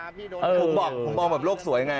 ผมบอกแบบโลกสวยไง